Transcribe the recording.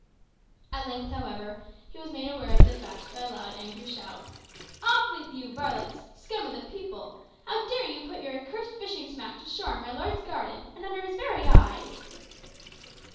At length, however, he was made aware of the fact by a loud angry shout, "Off with you, varlets, scum of the people! How dare you put your accursed fishing smack to shore in my lord's garden, and under his very eyes?"